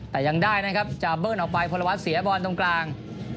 แต่ยังได้นะครับจะเบิ้ลออกไปพลวัตรเสียบอลตรงกลาง